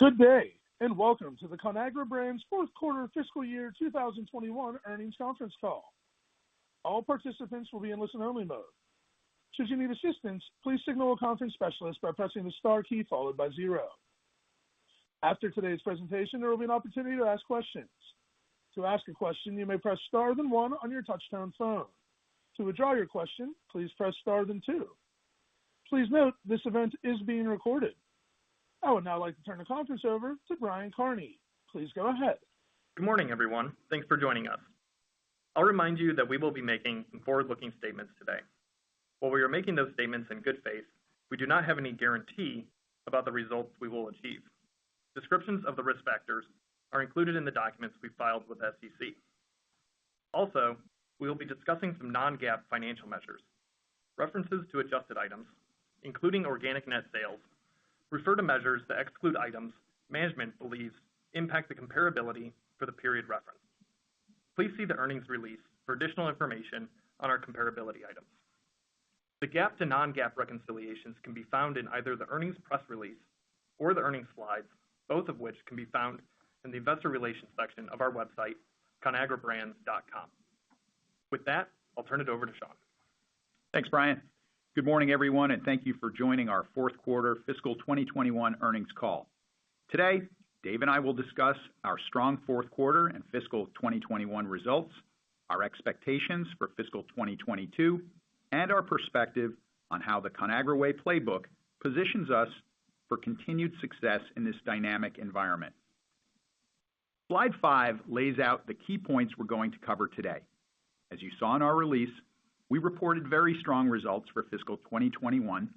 Good day, and welcome to the Conagra Brands fourth quarter fiscal year 2021 earnings conference call. All participants will be in listen only mode. Should you need assistance, please signal a conference specialist by pressing the star key followed by zero. After today's presentation, there will be an opportunity to ask questions. To ask a question, you may press star then one on your touch-tone phone. To withdraw your question, please press star then two. Please note, this event is being recorded. I would now like to turn the conference over to Brian Kearney. Please go ahead. Good morning, everyone. Thanks for joining us. I'll remind you that we will be making some forward-looking statements today. While we are making those statements in good faith, we do not have any guarantee about the results we will achieve. Descriptions of the risk factors are included in the documents we filed with SEC. We will be discussing some non-GAAP financial measures. References to adjusted items, including organic net sales, refer to measures that exclude items management believes impact the comparability for the period referenced. Please see the earnings release for additional information on our comparability items. The GAAP to non-GAAP reconciliations can be found in either the earnings press release or the earnings slides, both of which can be found in the Investor Relations section of our website, conagrabrands.com. With that, I'll turn it over to Sean. Thanks, Brian. Good morning, everyone, thank you for joining our fourth quarter fiscal 2021 earnings call. Today, David and I will discuss our strong fourth quarter and fiscal 2021 results, our expectations for fiscal 2022, and our perspective on how the Conagra Way playbook positions us for continued success in this dynamic environment. Slide five lays out the key points we're going to cover today. As you saw in our release, we reported very strong results for fiscal 2021,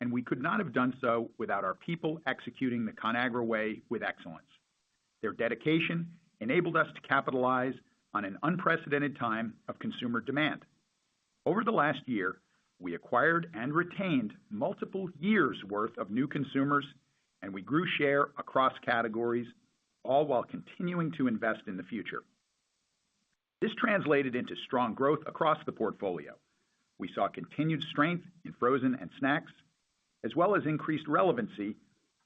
and we could not have done so without our people executing the Conagra Way with excellence. Their dedication enabled us to capitalize on an unprecedented time of consumer demand. Over the last year, we acquired and retained multiple years' worth of new consumers, and we grew share across categories, all while continuing to invest in the future. This translated into strong growth across the portfolio. We saw continued strength in frozen and snacks, as well as increased relevancy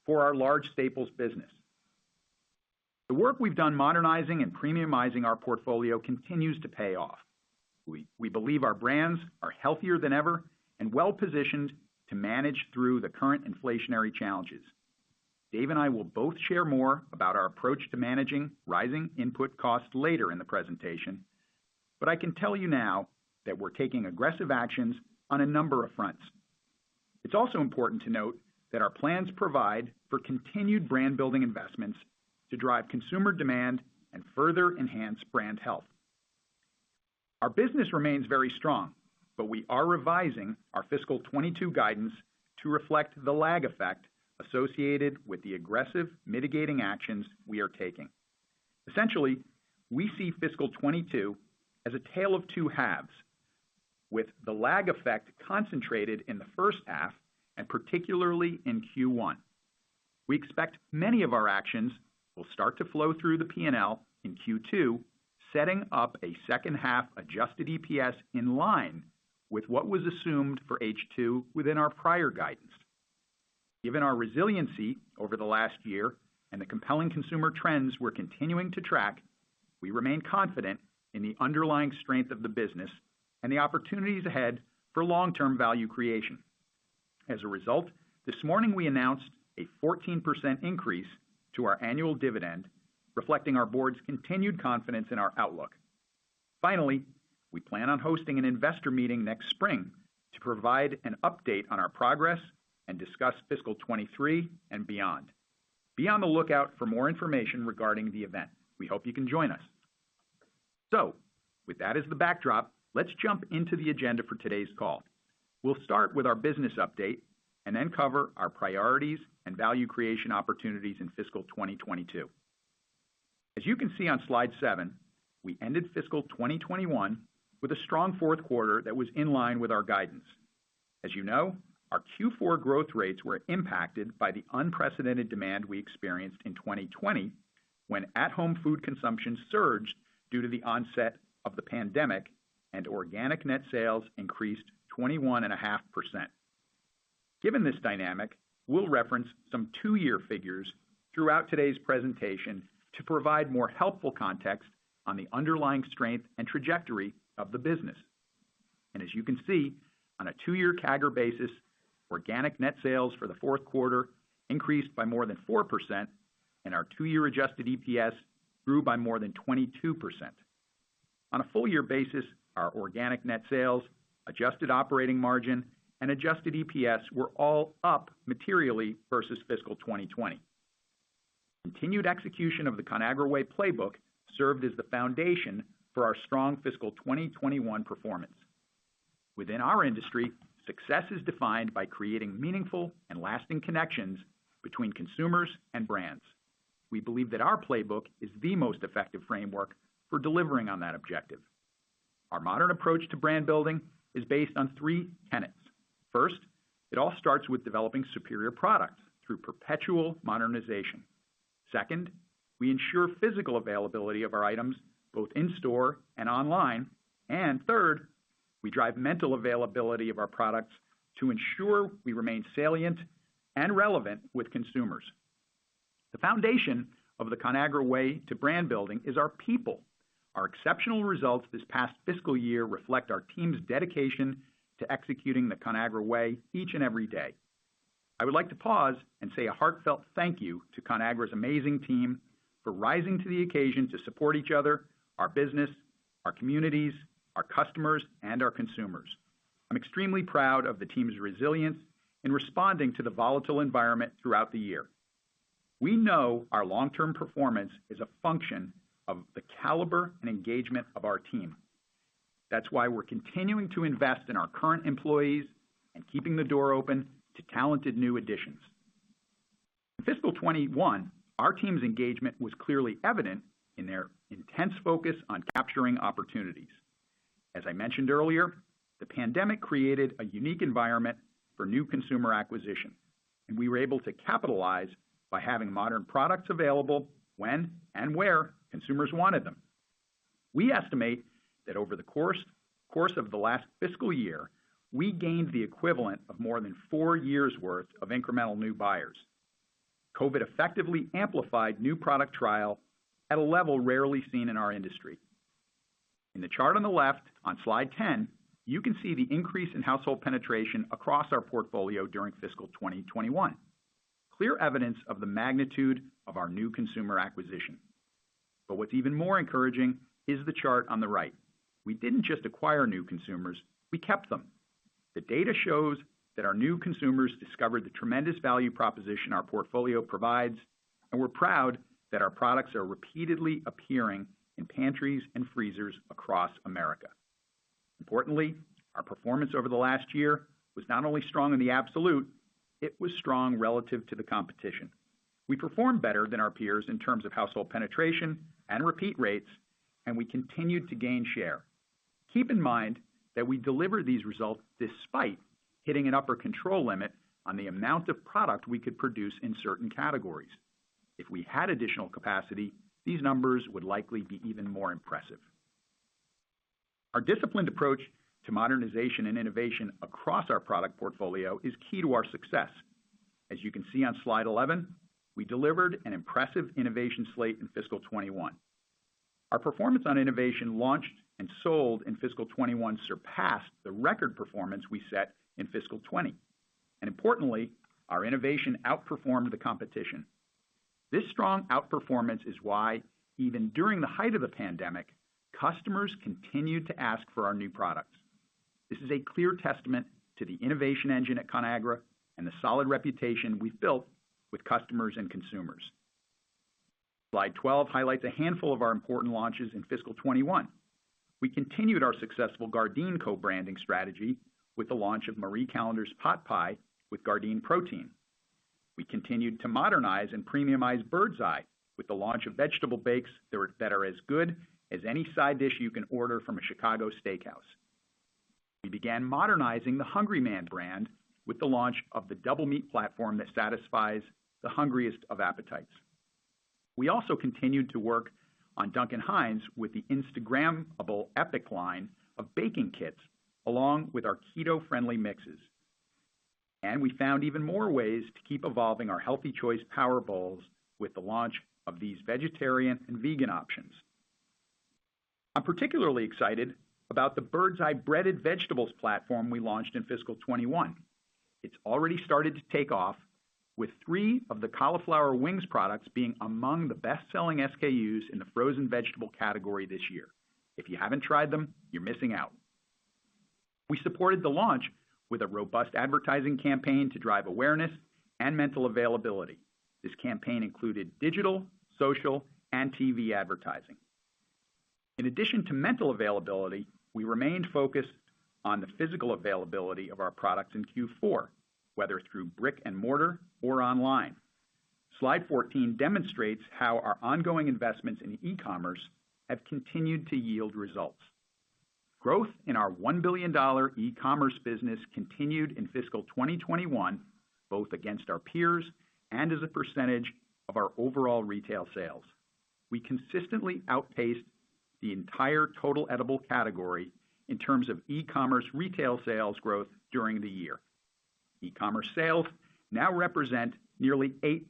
for our large staples business. The work we've done modernizing and premiumizing our portfolio continues to pay off. We believe our brands are healthier than ever and well-positioned to manage through the current inflationary challenges. Dave and I will both share more about our approach to managing rising input costs later in the presentation, but I can tell you now that we're taking aggressive actions on a number of fronts. It's also important to note that our plans provide for continued brand-building investments to drive consumer demand and further enhance brand health. Our business remains very strong, but we are revising our fiscal 2022 guidance to reflect the lag effect associated with the aggressive mitigating actions we are taking. Essentially, we see fiscal 2022 as a tale of two halves, with the lag effect concentrated in the first half and particularly in Q1. We expect many of our actions will start to flow through the P&L in Q2, setting up a second half adjusted EPS in line with what was assumed for H2 within our prior guidance. Given our resiliency over the last year and the compelling consumer trends we're continuing to track, we remain confident in the underlying strength of the business and the opportunities ahead for long-term value creation. As a result, this morning we announced a 14% increase to our annual dividend, reflecting our board's continued confidence in our outlook. Finally, we plan on hosting an investor meeting next spring to provide an update on our progress and discuss fiscal 2023 and beyond. Be on the lookout for more information regarding the event, we hope you can join us. With that as the backdrop, let's jump into the agenda for today's call. We'll start with our business update and then cover our priorities and value creation opportunities in fiscal 2022. As you can see on slide seven, we ended fiscal 2021 with a strong fourth quarter that was in line with our guidance. As you know, our Q4 growth rates were impacted by the unprecedented demand we experienced in 2020 when at-home food consumption surged due to the onset of the pandemic and organic net sales increased 21.5%. Given this dynamic, we'll reference some two-year figures throughout today's presentation to provide more helpful context on the underlying strength and trajectory of the business. As you can see, on a two-year CAGR basis, organic net sales for the fourth quarter increased by more than 4%, and our two-year adjusted EPS grew by more than 22%. On a full-year basis, our organic net sales, adjusted operating margin, and adjusted EPS were all up materially versus fiscal 2020. Continued execution of the Conagra Way playbook served as the foundation for our strong fiscal 2021 performance. Within our industry, success is defined by creating meaningful and lasting connections between consumers and brands. We believe that our playbook is the most effective framework for delivering on that objective. Our modern approach to brand building is based on three tenets. First, it all starts with developing superior products through perpetual modernization. Second, we ensure physical availability of our items both in-store and online. Third, we drive mental availability of our products to ensure we remain salient and relevant with consumers. The foundation of the Conagra Way to brand building is our people. Our exceptional results this past fiscal year reflect our team's dedication to executing the Conagra Way each and every day. I would like to pause and say a heartfelt thank you to Conagra's amazing team for rising to the occasion to support each other, our business, our communities, our customers, and our consumers. I'm extremely proud of the team's resilience in responding to the volatile environment throughout the year. We know our long-term performance is a function of the caliber and engagement of our team. That's why we're continuing to invest in our current employees and keeping the door open to talented new additions. In fiscal 2021, our team's engagement was clearly evident in their intense focus on capturing opportunities. As I mentioned earlier, the pandemic created a unique environment for new consumer acquisition, and we were able to capitalize by having modern products available when and where consumers wanted them. We estimate that over the course of the last fiscal year, we gained the equivalent of more than four years worth of incremental new buyers. COVID-19 effectively amplified new product trial at a level rarely seen in our industry. In the chart on the left on slide 10, you can see the increase in household penetration across our portfolio during fiscal 2021, clear evidence of the magnitude of our new consumer acquisition. What's even more encouraging is the chart on the right. We didn't just acquire new consumers, we kept them. The data shows that our new consumers discovered the tremendous value proposition our portfolio provides, and we're proud that our products are repeatedly appearing in pantries and freezers across America. Importantly, our performance over the last year was not only strong in the absolute, it was strong relative to the competition. We performed better than our peers in terms of household penetration and repeat rates, and we continued to gain share. Keep in mind that we delivered these results despite hitting an upper control limit on the amount of product we could produce in certain categories. If we had additional capacity, these numbers would likely be even more impressive. Our disciplined approach to modernization and innovation across our product portfolio is key to our success. As you can see on slide 11, we delivered an impressive innovation slate in fiscal 2021. Our performance on innovation launched and sold in fiscal 2021 surpassed the record performance we set in fiscal 2020. Importantly, our innovation outperformed the competition. This strong outperformance is why even during the height of the pandemic, customers continued to ask for our new products. This is a clear testament to the innovation engine at Conagra and the solid reputation we built with customers and consumers. Slide 12 highlights a handful of our important launches in fiscal 2021. We continued our successful Gardein co-branding strategy with the launch of Marie Callender's potpie with Gardein protein. We continued to modernize and premiumize Birds Eye with the launch of vegetable bakes that are as good as any side dish you can order from a Chicago steakhouse. We began modernizing the Hungry-Man brand with the launch of the double meat platform that satisfies the hungriest of appetites. We also continued to work on Duncan Hines with the Instagrammable EPIC line of baking kits, along with our keto-friendly mixes. We found even more ways to keep evolving our Healthy Choice power bowls with the launch of these vegetarian and vegan options. I'm particularly excited about the Birds Eye breaded vegetables platform we launched in fiscal 2021. It's already started to take off with three of the cauliflower wings products being among the best-selling SKUs in the frozen vegetable category this year. If you haven't tried them, you're missing out. We supported the launch with a robust advertising campaign to drive awareness and mental availability. This campaign included digital, social, and TV advertising. In addition to mental availability, we remained focused on the physical availability of our products in Q4, whether through brick and mortar or online. Slide 14 demonstrates how our ongoing investments in e-commerce have continued to yield results. Growth in our $1 billion e-commerce business continued in fiscal 2021, both against our peers and as a percentage of our overall retail sales. We consistently outpaced the entire total edible category in terms of e-commerce retail sales growth during the year. E-commerce sales now represent nearly 8%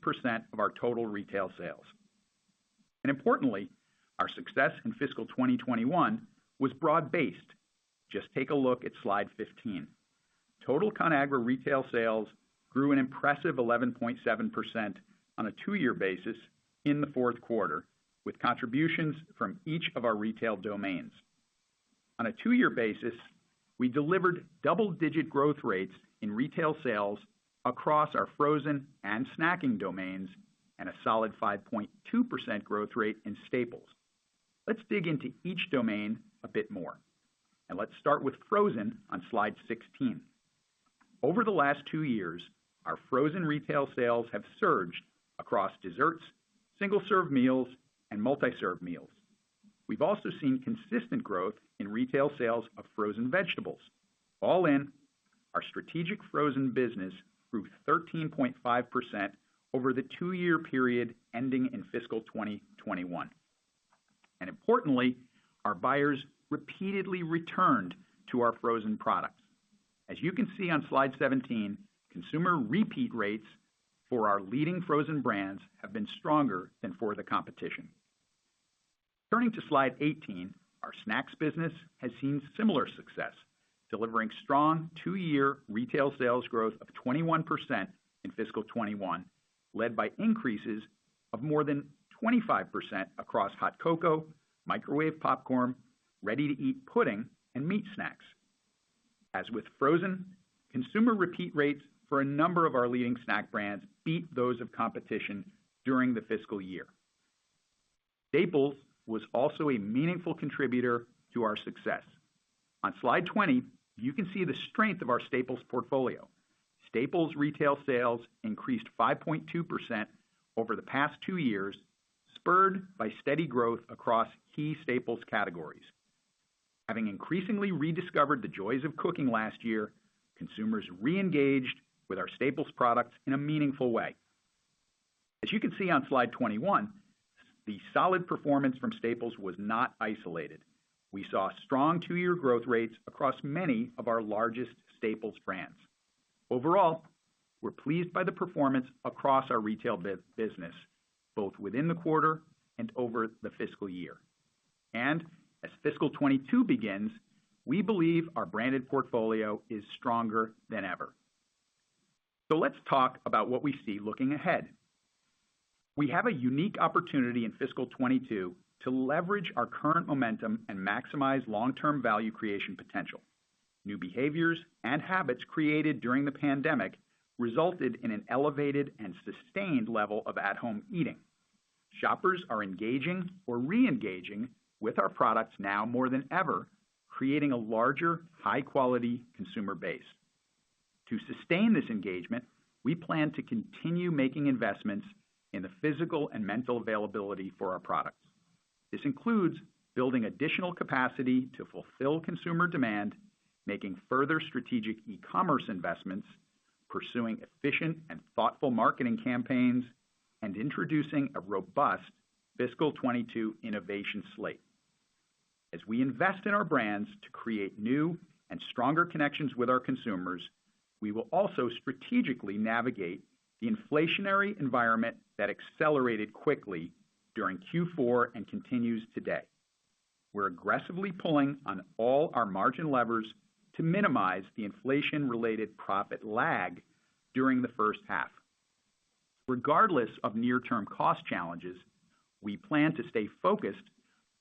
of our total retail sales. Importantly, our success in fiscal 2021 was broad-based. Just take a look at Slide 15. Total Conagra retail sales grew an impressive 11.7% on a two-year basis in the fourth quarter, with contributions from each of our retail domains. On a two-year basis, we delivered double-digit growth rates in retail sales across our frozen and snacking domains and a solid 5.2% growth rate in staples. Let's dig into each domain a bit more. Let's start with frozen on slide 16. Over the last two years, our frozen retail sales have surged across desserts, single-serve meals, and multi-serve meals. We've also seen consistent growth in retail sales of frozen vegetables. All in, our strategic frozen business grew 13.5% over the two-year period ending in fiscal 2021. Importantly, our buyers repeatedly returned to our frozen products. As you can see on slide 17, consumer repeat rates for our leading frozen brands have been stronger than for the competition. Turning to slide 18, our snacks business has seen similar success, delivering strong two-year retail sales growth of 21% in fiscal 2021, led by increases of more than 25% across hot cocoa, microwave popcorn, ready-to-eat pudding, and meat snacks. As with frozen, consumer repeat rates for a number of our leading snack brands beat those of competition during the fiscal year. Staples was also a meaningful contributor to our success. On slide 20, you can see the strength of our staples portfolio. Staples retail sales increased 5.2% over the past two years, spurred by steady growth across key staples categories. Having increasingly rediscovered the joys of cooking last year, consumers reengaged with our staples products in a meaningful way. As you can see on slide 21, the solid performance from staples was not isolated. We saw strong two-year growth rates across many of our largest staples brands. Overall, we're pleased by the performance across our retail business, both within the quarter and over the fiscal year. As fiscal 2022 begins, we believe our branded portfolio is stronger than ever. Let's talk about what we see looking ahead. We have a unique opportunity in fiscal 2022 to leverage our current momentum and maximize long-term value creation potential. New behaviors and habits created during the pandemic resulted in an elevated and sustained level of at-home eating. Shoppers are engaging or reengaging with our products now more than ever, creating a larger, high-quality consumer base. To sustain this engagement, we plan to continue making investments in the physical and mental availability for our products. This includes building additional capacity to fulfill consumer demand, making further strategic e-commerce investments, pursuing efficient and thoughtful marketing campaigns, and introducing a robust fiscal 2022 innovation slate. As we invest in our brands to create new and stronger connections with our consumers, we will also strategically navigate the inflationary environment that accelerated quickly during Q4 and continues today. We're aggressively pulling on all our margin levers to minimize the inflation-related profit lag during the first half. Regardless of near-term cost challenges, we plan to stay focused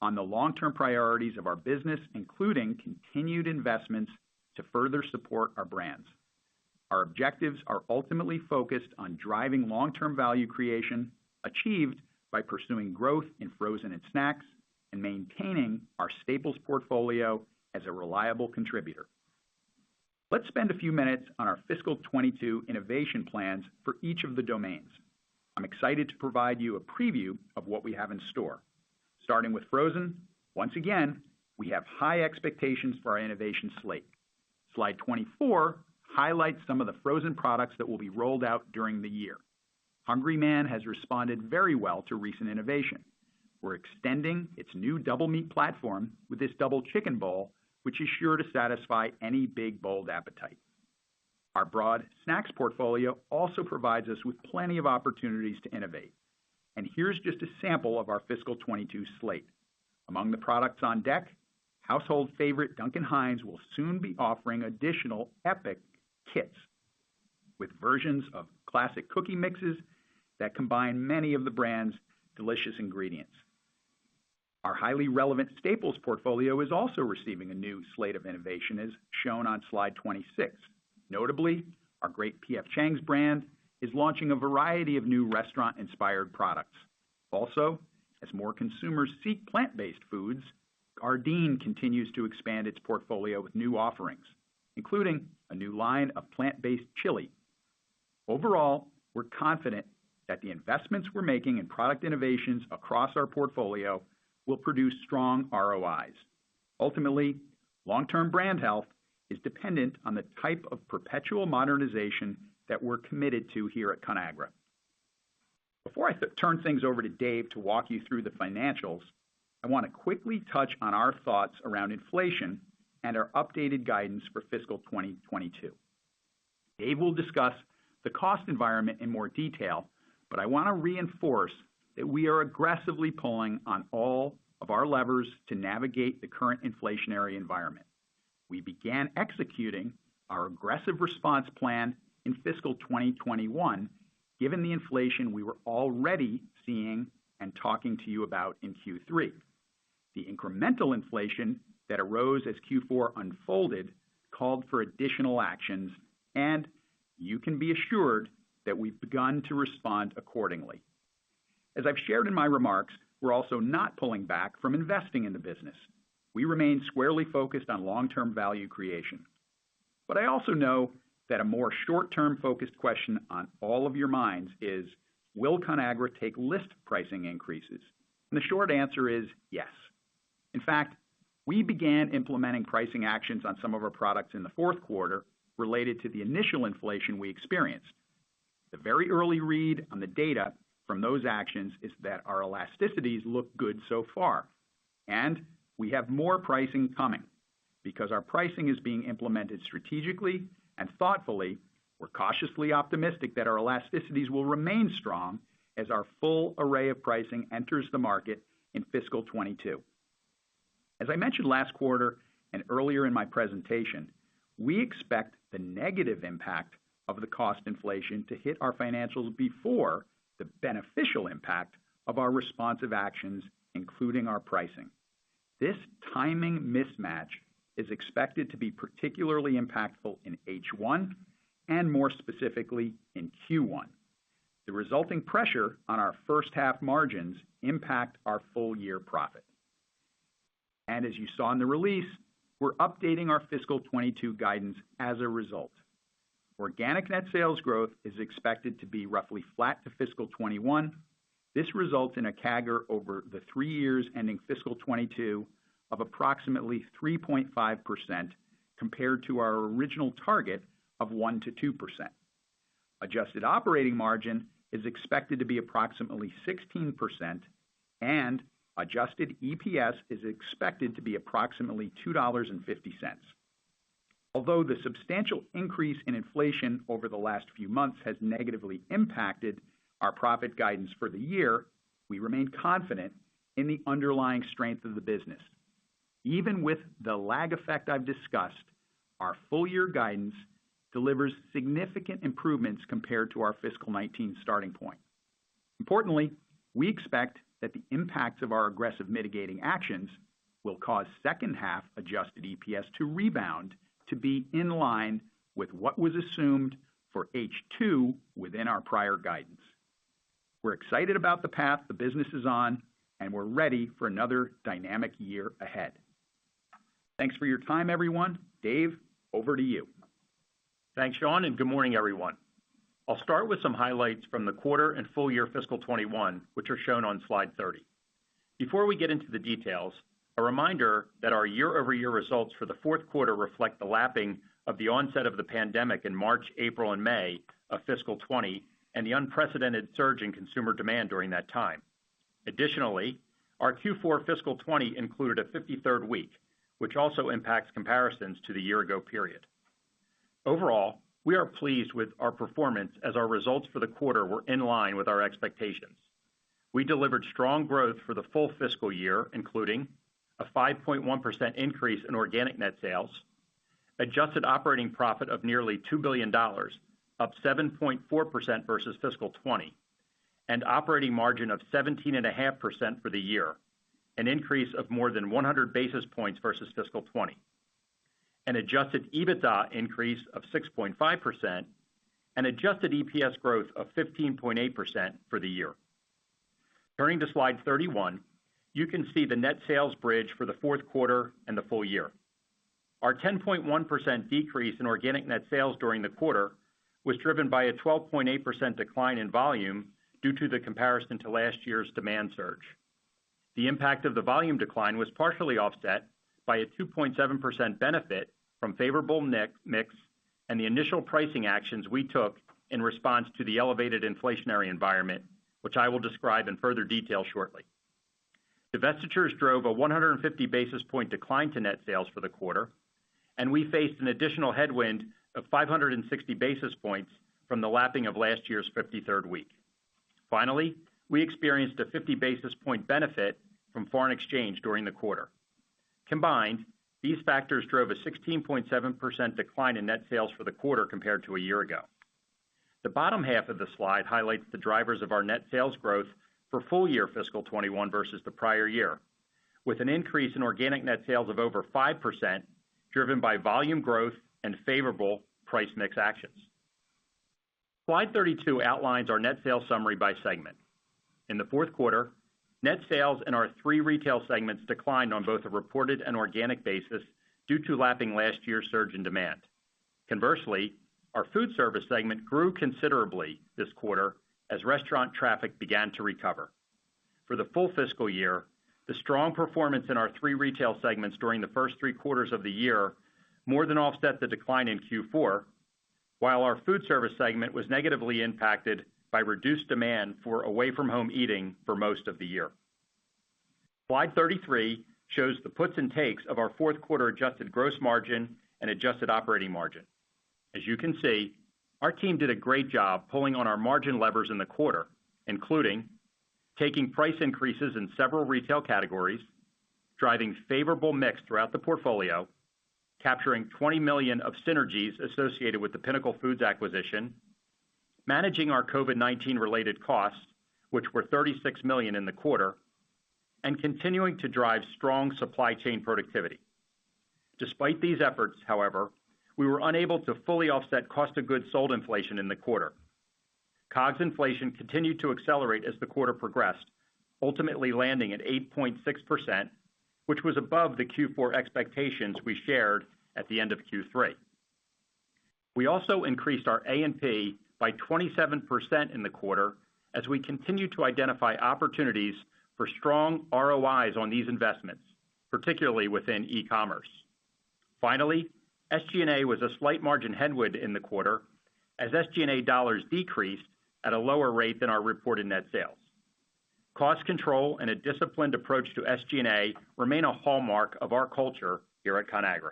on the long-term priorities of our business, including continued investments to further support our brands. Our objectives are ultimately focused on driving long-term value creation, achieved by pursuing growth in frozen and snacks and maintaining our staples portfolio as a reliable contributor. Let's spend a few minutes on our fiscal 2022 innovation plans for each of the domains. I'm excited to provide you a preview of what we have in store. Starting with frozen, once again, we have high expectations for our innovation slate. Slide 24 highlights some of the frozen products that will be rolled out during the year. Hungry-Man has responded very well to recent innovation. We're extending its new double meat platform with this double chicken bowl, which is sure to satisfy any big, bold appetite. Our broad snacks portfolio also provides us with plenty of opportunities to innovate. Here's just a sample of our fiscal 2022 slate. Among the products on deck, household favorite Duncan Hines will soon be offering additional EPIC kits with versions of classic cookie mixes that combine many of the brand's delicious ingredients. Our highly relevant staples portfolio is also receiving a new slate of innovation, as shown on slide 26. Notably, our great P.F. Chang's brand is launching a variety of new restaurant-inspired products. As more consumers seek plant-based foods, Gardein continues to expand its portfolio with new offerings, including a new line of plant-based chili. We're confident that the investments we're making in product innovations across our portfolio will produce strong ROIs. Long-term brand health is dependent on the type of perpetual modernization that we're committed to here at Conagra. Before I turn things over to Dave to walk you through the financials, I want to quickly touch on our thoughts around inflation and our updated guidance for fiscal 2022. Dave will discuss the cost environment in more detail, but I want to reinforce that we are aggressively pulling on all of our levers to navigate the current inflationary environment. We began executing our aggressive response plan in fiscal 2021, given the inflation we were already seeing and talking to you about in Q3. The incremental inflation that arose as Q4 unfolded called for additional actions, and you can be assured that we've begun to respond accordingly. As I've shared in my remarks, we're also not pulling back from investing in the business. We remain squarely focused on long-term value creation. I also know that a more short-term focused question on all of your minds is, will Conagra take list pricing increases? The short answer is yes. In fact, we began implementing pricing actions on some of our products in the fourth quarter related to the initial inflation we experienced. The very early read on the data from those actions is that our elasticities look good so far. We have more pricing coming. Because our pricing is being implemented strategically and thoughtfully, we're cautiously optimistic that our elasticities will remain strong as our full array of pricing enters the market in fiscal 2022. As I mentioned last quarter, earlier in my presentation, we expect the negative impact of the cost inflation to hit our financials before the beneficial impact of our responsive actions, including our pricing. This timing mismatch is expected to be particularly impactful in H1 and more specifically in Q1. The resulting pressure on our first half margins impact our full-year profit. As you saw in the release, we're updating our fiscal 2022 guidance as a result. Organic net sales growth is expected to be roughly flat to fiscal 2021. This results in a CAGR over the three years ending fiscal 2022 of approximately 3.5% compared to our original target of 1%-2%. Adjusted operating margin is expected to be approximately 16% and adjusted EPS is expected to be approximately $2.50. Although the substantial increase in inflation over the last few months has negatively impacted our profit guidance for the year, we remain confident in the underlying strength of the business. Even with the lag effect I've discussed, our full-year guidance delivers significant improvements compared to our fiscal 2019 starting point. Importantly, we expect that the impacts of our aggressive mitigating actions will cause second half adjusted EPS to rebound to be in line with what was assumed for H2 within our prior guidance. We're excited about the path the business is on, and we're ready for another dynamic year ahead. Thanks for your time, everyone. Dave, over to you. Thanks, Sean. Good morning, everyone. I'll start with some highlights from the quarter and full-year fiscal 2021, which are shown on slide 30. Before we get into the details, a reminder that our year-over-year results for the fourth quarter reflect the lapping of the onset of the pandemic in March, April, and May of fiscal 2020 and the unprecedented surge in consumer demand during that time. Our Q4 fiscal 2020 included a 53rd week, which also impacts comparisons to the year-ago period. We are pleased with our performance as our results for the quarter were in line with our expectations. We delivered strong growth for the full fiscal year, including a 5.1% increase in organic net sales, adjusted operating profit of nearly $2 billion, up 7.4% versus fiscal 2020, and operating margin of 17.5% for the year, an increase of more than 100 basis points versus fiscal 2020, an adjusted EBITDA increase of 6.5%, and adjusted EPS growth of 15.8% for the year. Turning to slide 31, you can see the net sales bridge for the fourth quarter and the full-year. Our 10.1% decrease in organic net sales during the quarter was driven by a 12.8% decline in volume due to the comparison to last year's demand surge. The impact of the volume decline was partially offset by a 2.7% benefit from favorable mix and the initial pricing actions we took in response to the elevated inflationary environment, which I will describe in further detail shortly. Divestitures drove a 150 basis point decline to net sales for the quarter. We faced an additional headwind of 560 basis points from the lapping of last year's 53rd week. Finally, we experienced a 50 basis point benefit from foreign exchange during the quarter. Combined, these factors drove a 16.7% decline in net sales for the quarter compared to a year ago. The bottom half of the slide highlights the drivers of our net sales growth for full-year fiscal 2021 versus the prior year, with an increase in organic net sales of over 5% driven by volume growth and favorable price mix actions. Slide 32 outlines our net sales summary by segment. In the fourth quarter, net sales in our three retail segments declined on both a reported and organic basis due to lapping last year's surge in demand. Conversely, our food service segment grew considerably this quarter as restaurant traffic began to recover. For the full fiscal year, the strong performance in our three retail segments during the first three quarters of the year more than offset the decline in Q4, while our food service segment was negatively impacted by reduced demand for away-from-home eating for most of the year. Slide 33 shows the puts and takes of our fourth quarter adjusted gross margin and adjusted operating margin. As you can see, our team did a great job pulling on our margin levers in the quarter, including taking price increases in several retail categories, driving favorable mix throughout the portfolio, capturing $20 million of synergies associated with the Pinnacle Foods acquisition, managing our COVID-19 related costs, which were $36 million in the quarter, and continuing to drive strong supply chain productivity. Despite these efforts, however, we were unable to fully offset cost of goods sold inflation in the quarter. Cost inflation continued to accelerate as the quarter progressed, ultimately landing at 8.6%, which was above the Q4 expectations we shared at the end of Q3. We also increased our A&P by 27% in the quarter as we continue to identify opportunities for strong ROIs on these investments, particularly within e-commerce. Finally, SG&A was a slight margin headwind in the quarter as SG&A dollars decreased at a lower rate than our reported net sales. Cost control and a disciplined approach to SG&A remain a hallmark of our culture here at Conagra.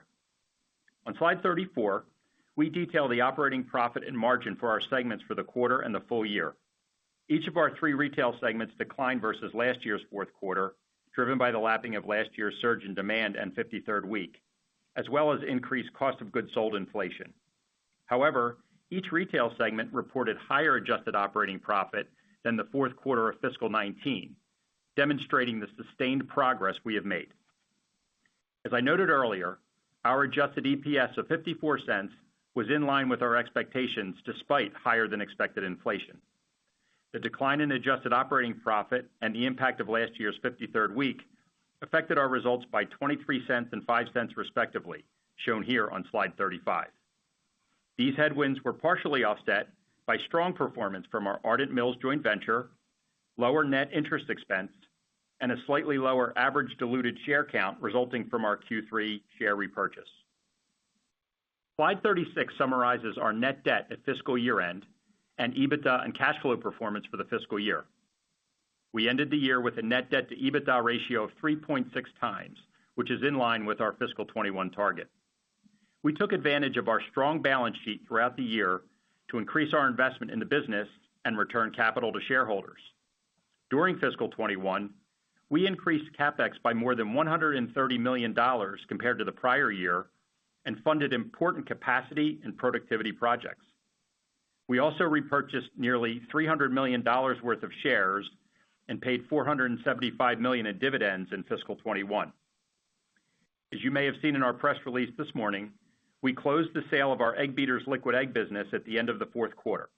On slide 34, we detail the operating profit and margin for our segments for the quarter and the full-year. Each of our three retail segments declined versus last year's fourth quarter, driven by the lapping of last year's surge in demand and 53rd week, as well as increased cost of goods sold inflation. However, each retail segment reported higher adjusted operating profit than the fourth quarter of fiscal 2019, demonstrating the sustained progress we have made. As I noted earlier, our adjusted EPS of $0.54 was in line with our expectations despite higher than expected inflation. The decline in adjusted operating profit and the impact of last year's 53rd week affected our results by $0.23 and $0.05 respectively, shown here on slide 35. These headwinds were partially offset by strong performance from our Ardent Mills joint venture, lower net interest expense, and a slightly lower average diluted share count resulting from our Q3 share repurchase. Slide 36 summarizes our net debt at fiscal year-end and EBITDA and cash flow performance for the fiscal year. We ended the year with a net debt to EBITDA ratio of 3.6x, which is in line with our fiscal 2021 target. We took advantage of our strong balance sheet throughout the year to increase our investment in the business and return capital to shareholders. During fiscal 2021, we increased CapEx by more than $130 million compared to the prior year and funded important capacity and productivity projects. We also repurchased nearly $300 million worth of shares and paid $475 million in dividends in fiscal 2021. As you may have seen in our press release this morning, we closed the sale of our Egg Beaters liquid egg business at the end of the fourth quarter.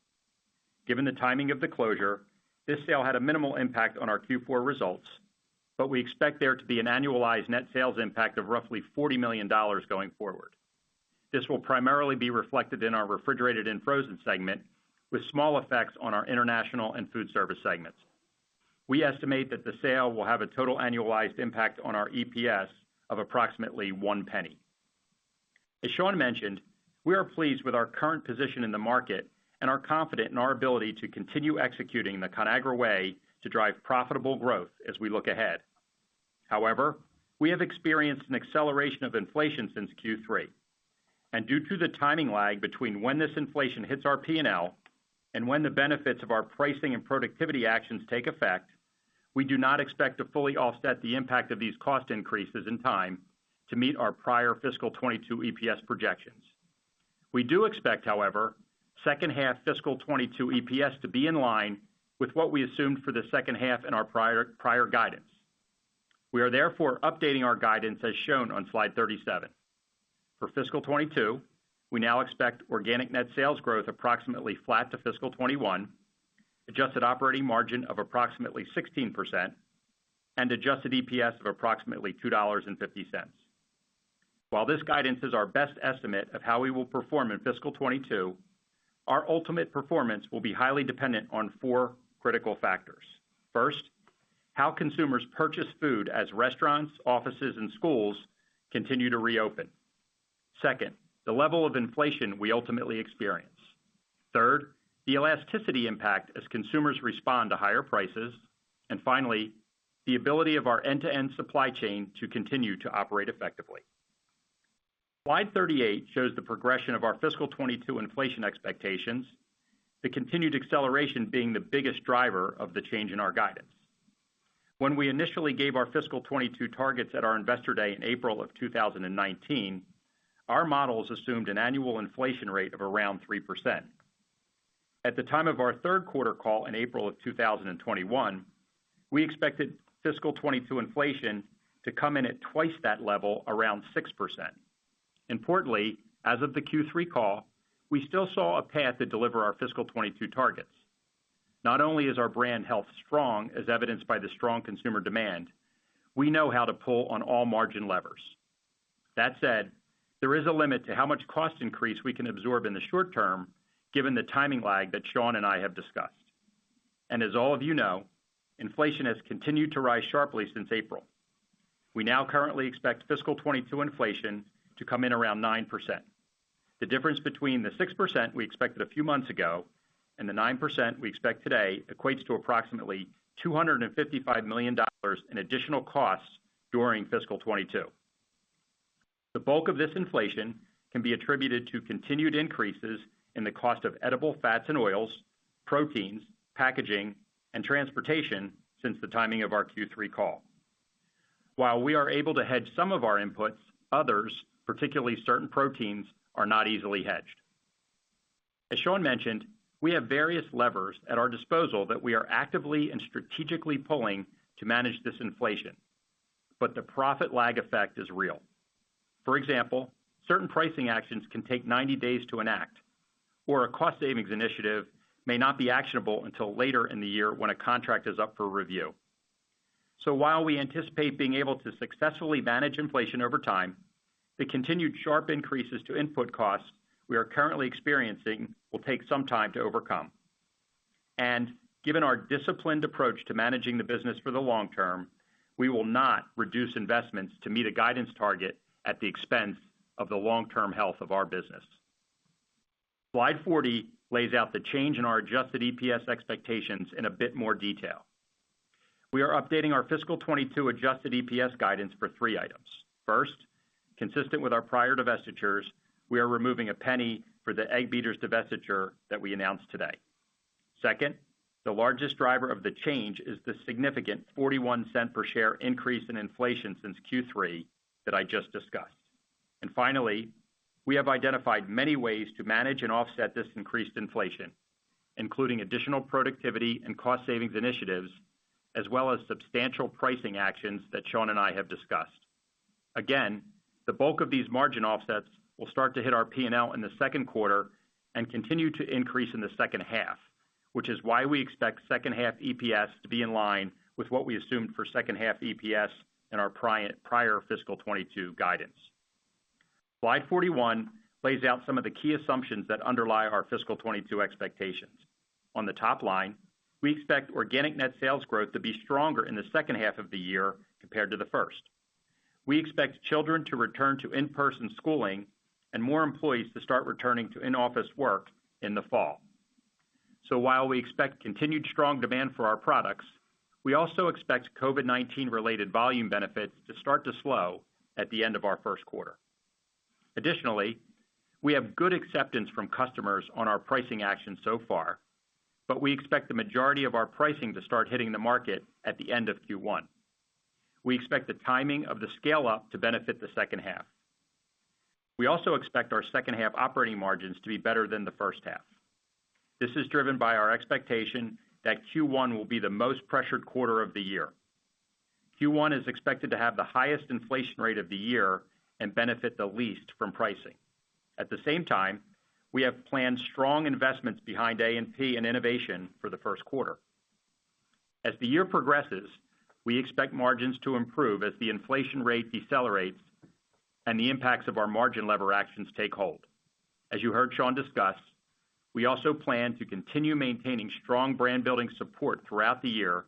Given the timing of the closure, this sale had a minimal impact on our Q4 results, but we expect there to be an annualized net sales impact of roughly $40 million going forward. This will primarily be reflected in our refrigerated and frozen segment, with small effects on our international and food service segments. We estimate that the sale will have a total annualized impact on our EPS of approximately $0.01. As Sean mentioned, we are pleased with our current position in the market and are confident in our ability to continue executing the Conagra Way to drive profitable growth as we look ahead. However, we have experienced an acceleration of inflation since Q3. Due to the timing lag between when this inflation hits our P&L and when the benefits of our pricing and productivity actions take effect, we do not expect to fully offset the impact of these cost increases in time to meet our prior fiscal 2022 EPS projections. We do expect, however, second half fiscal 2022 EPS to be in line with what we assumed for the second half in our prior guidance. We are therefore updating our guidance as shown on slide 37. For fiscal 2022, we now expect organic net sales growth approximately flat to fiscal 2021, adjusted operating margin of approximately 16%, and adjusted EPS of approximately $2.50. While this guidance is our best estimate of how we will perform in fiscal 2022, our ultimate performance will be highly dependent on four critical factors. First, how consumers purchase food as restaurants, offices, and schools continue to reopen. Second, the level of inflation we ultimately experience. Third, the elasticity impact as consumers respond to higher prices. Finally, the ability of our end-to-end supply chain to continue to operate effectively. Slide 38 shows the progression of our fiscal 2022 inflation expectations, the continued acceleration being the biggest driver of the change in our guidance. When we initially gave our fiscal 2022 targets at our Investor Day in April of 2019, our models assumed an annual inflation rate of around 3%. At the time of our third quarter call in April of 2021, we expected fiscal 2022 inflation to come in at twice that level, around 6%. Importantly, as of the Q3 call, we still saw a path to deliver our fiscal 2022 targets. Not only is our brand health strong, as evidenced by the strong consumer demand, we know how to pull on all margin levers. That said, there is a limit to how much cost increase we can absorb in the short term given the timing lag that Sean and I have discussed. As all of you know, inflation has continued to rise sharply since April. We now currently expect fiscal 2022 inflation to come in around 9%. The difference between the 6% we expected a few months ago and the 9% we expect today equates to approximately $255 million in additional costs during fiscal 2022. The bulk of this inflation can be attributed to continued increases in the cost of edible fats and oils, proteins, packaging, and transportation since the timing of our Q3 call. While we are able to hedge some of our inputs, others, particularly certain proteins, are not easily hedged. As Sean mentioned, we have various levers at our disposal that we are actively and strategically pulling to manage this inflation, but the profit lag effect is real. For example, certain pricing actions can take 90 days to enact, or a cost savings initiative may not be actionable until later in the year when a contract is up for review. While we anticipate being able to successfully manage inflation over time, the continued sharp increases to input costs we are currently experiencing will take some time to overcome. Given our disciplined approach to managing the business for the long term, we will not reduce investments to meet a guidance target at the expense of the long-term health of our business. Slide 40 lays out the change in our adjusted EPS expectations in a bit more detail. We are updating our fiscal 2022 adjusted EPS guidance for three items. First, consistent with our prior divestitures, we are removing $0.01 for the Egg Beaters divestiture that we announced today. Second, the largest driver of the change is the significant $0.41 per share increase in inflation since Q3 that I just discussed. Finally, we have identified many ways to manage and offset this increased inflation, including additional productivity and cost savings initiatives, as well as substantial pricing actions that Sean and I have discussed. Again, the bulk of these margin offsets will start to hit our P&L in the second quarter and continue to increase in the second half, which is why we expect second half EPS to be in line with what we assumed for second half EPS in our prior fiscal 2022 guidance. Slide 41 lays out some of the key assumptions that underlie our fiscal 2022 expectations. On the top line, we expect organic net sales growth to be stronger in the second half of the year compared to the first. We expect children to return to in-person schooling and more employees to start returning to in-office work in the fall. While we expect continued strong demand for our products, we also expect COVID-19 related volume benefits to start to slow at the end of our first quarter. Additionally, we have good acceptance from customers on our pricing actions so far, but we expect the majority of our pricing to start hitting the market at the end of Q1. We expect the timing of the scale-up to benefit the second half. We also expect our second half operating margins to be better than the first half. This is driven by our expectation that Q1 will be the most pressured quarter of the year. Q1 is expected to have the highest inflation rate of the year and benefit the least from pricing. At the same time, we have planned strong investments behind A&P and innovation for the first quarter. As the year progresses, we expect margins to improve as the inflation rate decelerates and the impacts of our margin lever actions take hold. As you heard Sean discuss, we also plan to continue maintaining strong brand-building support throughout the year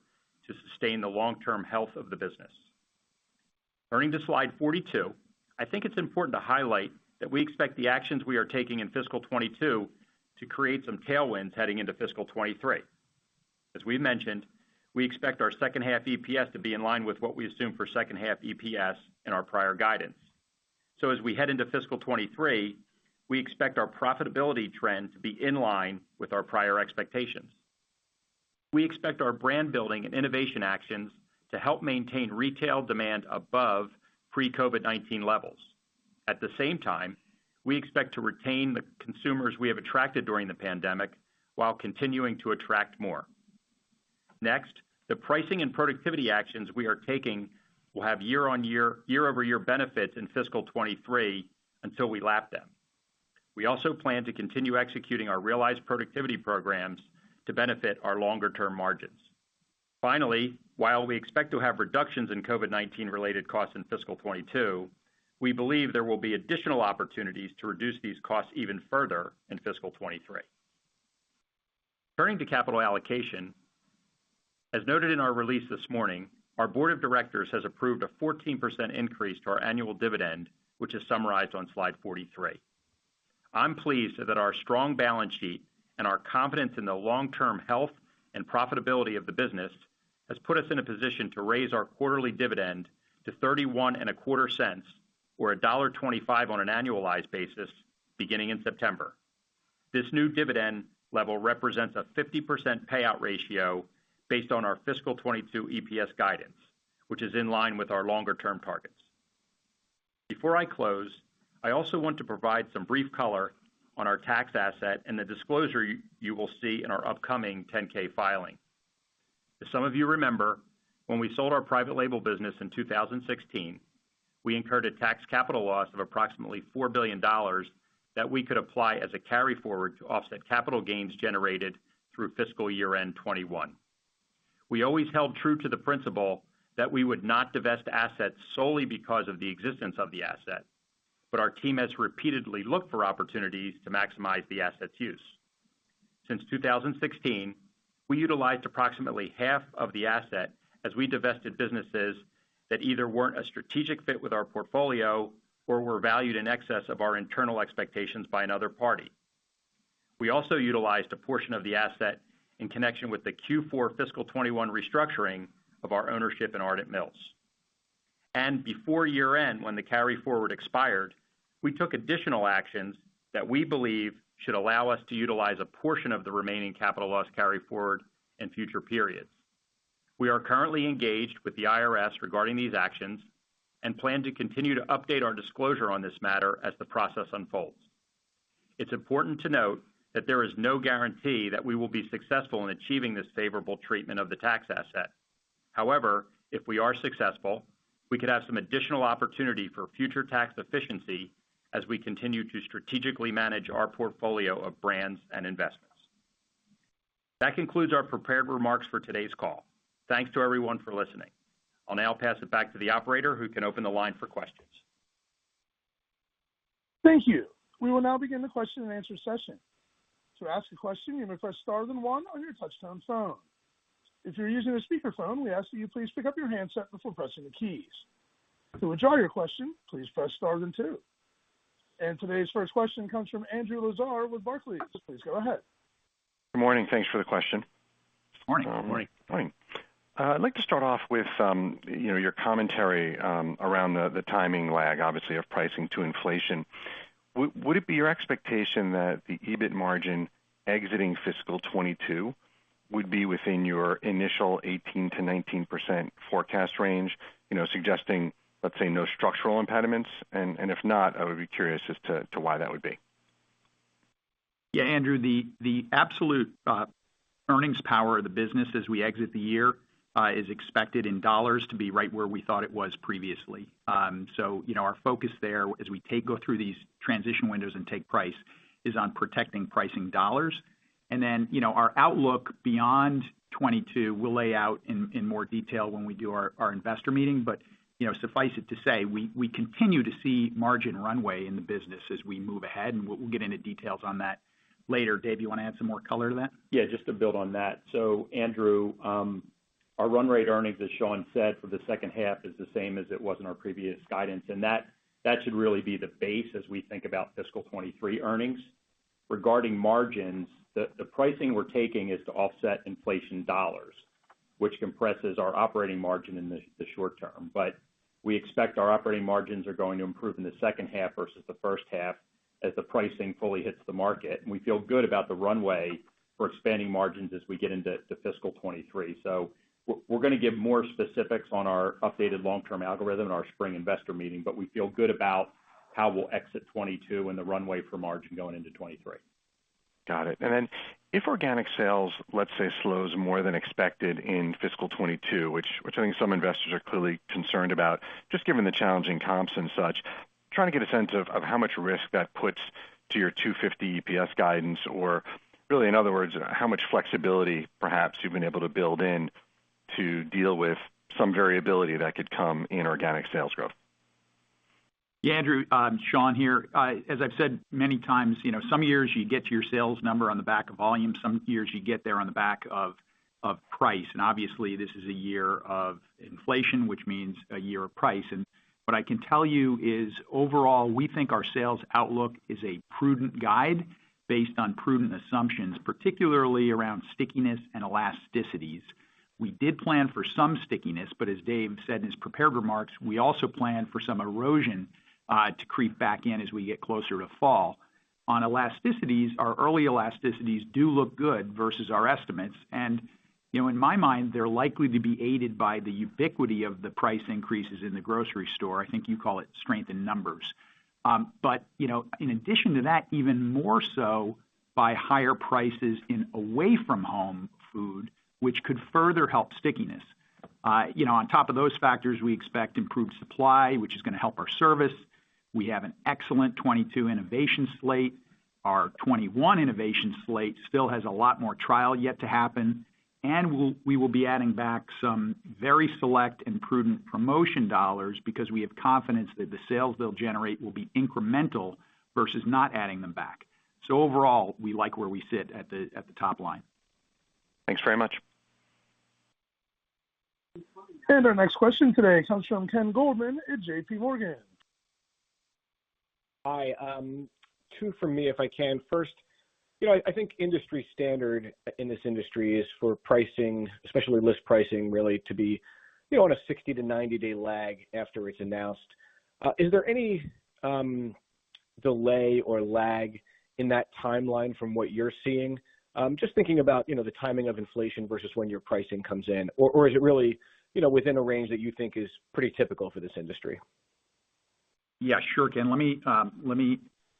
to sustain the long-term health of the business. Turning to slide 42, I think it's important to highlight that we expect the actions we are taking in fiscal 2022 to create some tailwinds heading into fiscal 2023. As we mentioned, we expect our second half EPS to be in line with what we assumed for second half EPS in our prior guidance. As we head into fiscal 2023, we expect our profitability trend to be in line with our prior expectations. We expect our brand-building and innovation actions to help maintain retail demand above pre-COVID-19 levels. At the same time, we expect to retain the consumers we have attracted during the pandemic while continuing to attract more. Next, the pricing and productivity actions we are taking will have year-over-year benefits in fiscal 2023 until we lap them. We also plan to continue executing our realized productivity programs to benefit our longer-term margins. Finally, while we expect to have reductions in COVID-19 related costs in fiscal 2022, we believe there will be additional opportunities to reduce these costs even further in fiscal 2023. Turning to capital allocation. As noted in our release this morning, our board of directors has approved a 14% increase to our annual dividend, which is summarized on slide 43. I'm pleased that our strong balance sheet and our confidence in the long-term health and profitability of the business has put us in a position to raise our quarterly dividend to $0.3125, or $1.25 on an annualized basis, beginning in September. This new dividend level represents a 50% payout ratio based on our fiscal 2022 EPS guidance, which is in line with our longer-term targets. Before I close, I also want to provide some brief color on our tax asset and the disclosure you will see in our upcoming 10-K filing. As some of you remember, when we sold our private label business in 2016, we incurred a tax capital loss of approximately $4 billion that we could apply as a carry-forward to offset capital gains generated through fiscal year-end 2021. We always held true to the principle that we would not divest assets solely because of the existence of the asset, but our team has repeatedly looked for opportunities to maximize the asset's use. Since 2016, we utilized approximately half of the asset as we divested businesses that either weren't a strategic fit with our portfolio or were valued in excess of our internal expectations by another party. We also utilized a portion of the asset in connection with the Q4 fiscal 2021 restructuring of our ownership in Ardent Mills. Before year-end, when the carry-forward expired, we took additional actions that we believe should allow us to utilize a portion of the remaining capital loss carry-forward in future periods. We are currently engaged with the IRS regarding these actions and plan to continue to update our disclosure on this matter as the process unfolds. It's important to note that there is no guarantee that we will be successful in achieving this favorable treatment of the tax asset. If we are successful, we could have some additional opportunity for future tax efficiency as we continue to strategically manage our portfolio of brands and investments. That concludes our prepared remarks for today's call. Thanks to everyone for listening. I'll now pass it back to the operator who can open the line for questions. Thank you. We will now begin the question-and-answer session. To ask a question, you may press star then one on your touch-tone phone. If you're using a speakerphone, we ask that you please pick up your handset before pressing the keys. To withdraw your question, please press star then two. Today's first question comes from Andrew Lazar with Barclays. Please go ahead. Good morning. Thanks for the question. Good morning. Good morning. Good morning. I'd like to start off with your commentary around the timing lag, obviously, of pricing to inflation. Would it be your expectation that the EBIT margin exiting fiscal 2022 would be within your initial 18%-19% forecast range suggesting, let's say, no structural impediments? If not, I would be curious as to why that would be. Yeah, Andrew, the absolute earnings power of the business as we exit the year is expected in dollars to be right where we thought it was previously. Our focus there, as we go through these transition windows and take price, is on protecting pricing dollars. Our outlook beyond 2022, we'll lay out in more detail when we do our investor meeting. Suffice it to say, we continue to see margin runway in the business as we move ahead, and we'll get into details on that later. Dave, you want to add some more color to that? Yeah, just to build on that. Andrew, our run rate earnings, as Sean said, for the second half is the same as it was in our previous guidance, and that should really be the base as we think about fiscal 2023 earnings. Regarding margins, the pricing we're taking is to offset inflation dollars, which compresses our operating margin in the short term. We expect our operating margins are going to improve in the second half versus the first half as the pricing fully hits the market. We feel good about the runway for expanding margins as we get into fiscal 2023. We're going to give more specifics on our updated long-term algorithm in our spring investor meeting, we feel good about how we'll exit 2022 and the runway for margin going into 2023. Got it. If organic sales, let's say, slows more than expected in fiscal 2022, which I think some investors are clearly concerned about, just given the challenging comps and such, trying to get a sense of how much risk that puts to your $2.50 EPS guidance or really, in other words, how much flexibility perhaps you've been able to build in to deal with some variability that could come in organic sales growth? Yeah, Andrew. Sean here. As I've said many times, some years you get to your sales number on the back of volume, some years you get there on the back of price. Obviously, this is a year of inflation, which means a year of price. What I can tell you is overall, we think our sales outlook is a prudent guide based on prudent assumptions, particularly around stickiness and elasticities. We did plan for some stickiness, but as Dave said in his prepared remarks, we also plan for some erosion to creep back in as we get closer to fall. On elasticities, our early elasticities do look good versus our estimates. In my mind, they're likely to be aided by the ubiquity of the price increases in the grocery store. I think you call it strength in numbers. In addition to that, even more so by higher prices in away-from-home food, which could further help stickiness. On top of those factors, we expect improved supply, which is going to help our service. We have an excellent 2022 innovation slate. Our 2021 innovation slate still has a lot more trial yet to happen, and we will be adding back some very select and prudent promotion dollars because we have confidence that the sales they'll generate will be incremental versus not adding them back. Overall, we like where we sit at the top line. Thanks very much. Our next question today comes from Ken Goldman at JPMorgan. Hi. Two from me, if I can. First, I think industry standard in this industry is for pricing, especially list pricing, really to be on a 60-90 days lag after it's announced. Is there any delay or lag in that timeline from what you're seeing? Just thinking about the timing of inflation versus when your pricing comes in. Is it really within a range that you think is pretty typical for this industry? Yeah, sure, Ken. Let me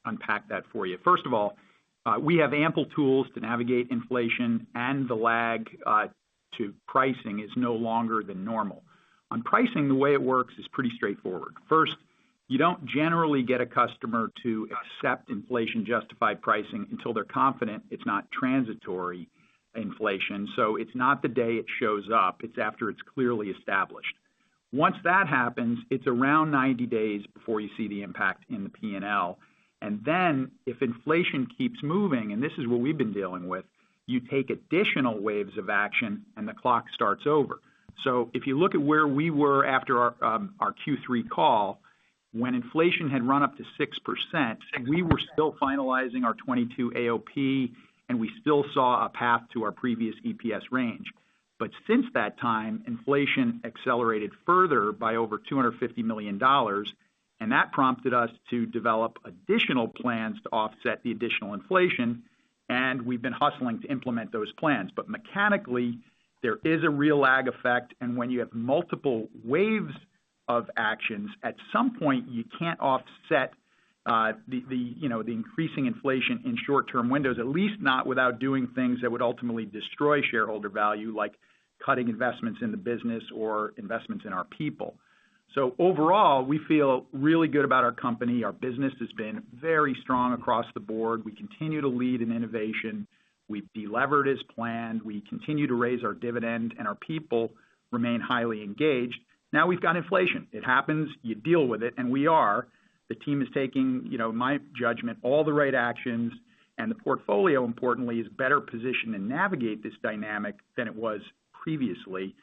unpack that for you. First of all, we have ample tools to navigate inflation, and the lag to pricing is no longer than normal. On pricing, the way it works is pretty straightforward. First, you don't generally get a customer to accept inflation-justified pricing until they're confident it's not transitory inflation. It's not the day it shows up, it's after it's clearly established. Once that happens, it's around 90 days before you see the impact in the P&L. If inflation keeps moving, and this is what we've been dealing with, you take additional waves of action and the clock starts over. If you look at where we were after our Q3 call, when inflation had run up to 6%, we were still finalizing our 2022 AOP, and we still saw a path to our previous EPS range. Since that time, inflation accelerated further by over $250 million, and that prompted us to develop additional plans to offset the additional inflation. We've been hustling to implement those plans. Mechanically, there is a real lag effect, and when you have multiple waves of actions, at some point, you can't offset the increasing inflation in short-term windows, at least not without doing things that would ultimately destroy shareholder value, like cutting investments in the business or investments in our people. Overall, we feel really good about our company. Our business has been very strong across the board, we continue to lead in innovation, we've de-levered as planned. We continue to raise our dividend, and our people remain highly engaged. Now we've got inflation. It happens, you deal with it, and we are. The team is taking, in my judgment, all the right actions, and the portfolio, importantly, is better positioned to navigate this dynamic than it was previously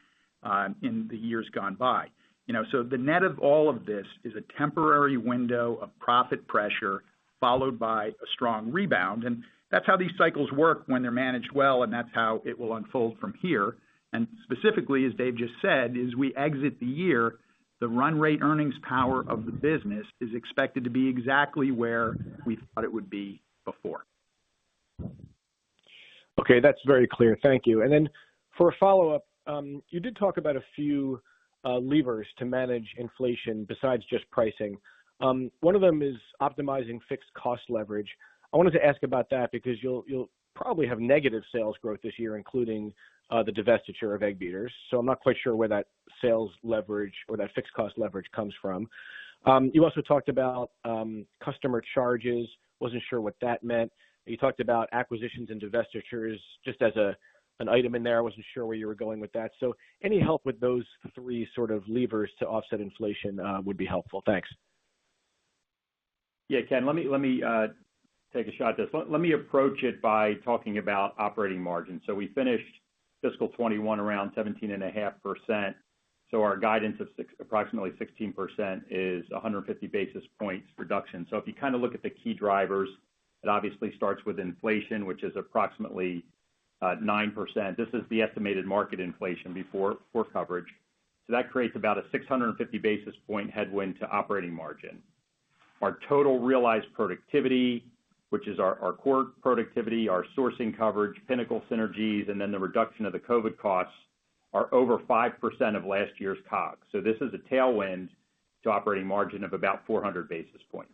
in the years gone by. The net of all of this is a temporary window of profit pressure, followed by a strong rebound, and that's how these cycles work when they're managed well, and that's how it will unfold from here. Specifically, as Dave just said, as we exit the year, the run rate earnings power of the business is expected to be exactly where we thought it would be before. Okay, that's very clear. Thank you. Then for a follow-up, you did talk about a few levers to manage inflation besides just pricing. One of them is optimizing fixed cost leverage. I wanted to ask about that because you'll probably have negative sales growth this year, including the divestiture of Egg Beaters. I'm not quite sure where that sales leverage or that fixed cost leverage comes from. You also talked about customer charges. Wasn't sure what that meant. You talked about acquisitions and divestitures just as an item in there. I wasn't sure where you were going with that. Any help with those two levers to offset inflation would be helpful. Thanks. Yeah, Ken, let me take a shot at this. Let me approach it by talking about operating margins. We finished fiscal 2021 around 17.5%. Our guidance of approximately 16% is 150 basis points reduction. If you look at the key drivers, it obviously starts with inflation, which is approximately 9%. This is the estimated market inflation before coverage. That creates about a 650 basis point headwind to operating margin. Our total realized productivity, which is our core productivity, our sourcing coverage, Pinnacle synergies, and then the reduction of the COVID-19 costs are over 5% of last year's COGS. This is a tailwind to operating margin of about 400 basis points.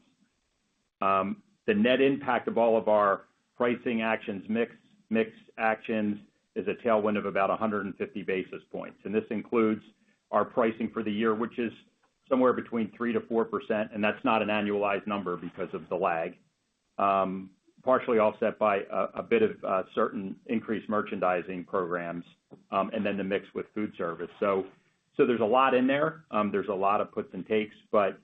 The net impact of all of our pricing actions, mix actions is a tailwind of about 150 basis points. This includes our pricing for the year, which is somewhere between 3%-4%, and that's not an annualized number because of the lag. Partially offset by a bit of certain increased merchandising programs, and then the mix with food service. There's a lot in there. There's a lot of puts and takes, but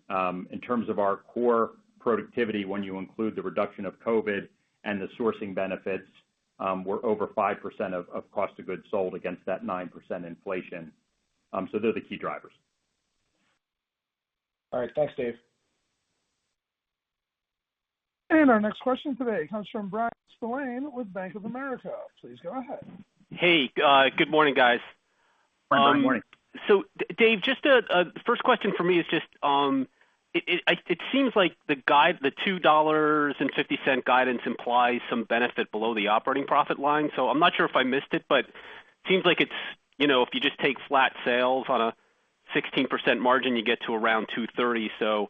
in terms of our core productivity, when you include the reduction of COVID-19 and the sourcing benefits, we're over 5% of cost of goods sold against that 9% inflation. They're the key drivers. All right. Thanks, Dave. Our next question today comes from Bryan Spillane with Bank of America. Please go ahead. Hey, good morning, guys. Good morning. Good morning. Dave, the first question for me is just, it seems like the $2.50 guidance implies some benefit below the operating profit line. I'm not sure if I missed it, seems like if you just take flat sales on a 16% margin, you get to around $2.30.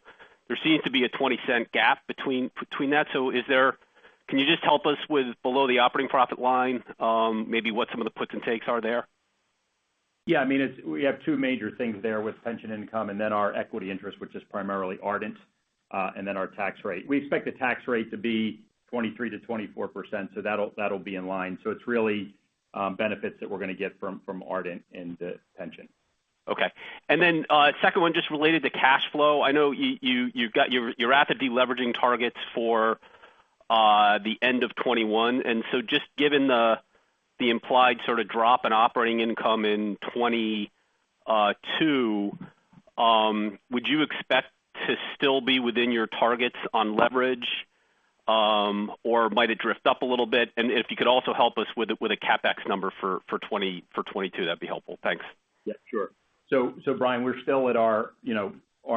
There seems to be a $0.20 gap between that. Can you just help us with below the operating profit line, maybe what some of the puts and takes are there? Yeah, we have two major things there with pension income and then our equity interest, which is primarily Ardent, and then our tax rate. We expect the tax rate to be 23%-24%, that'll be in line. It's really benefits that we're going to get from Ardent and the pension. Okay. Second one, just related to cash flow. I know you're at the de-leveraging targets for the end of 2021, just given the implied drop in operating income in 2022, would you expect to still be within your targets on leverage? Might it drift up a little bit? If you could also help us with a CapEx number for 2022, that'd be helpful. Thanks. Yeah, sure. Bryan, we're still on